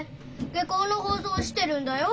下校の放送してるんだよ。